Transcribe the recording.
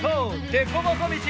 でこぼこみち！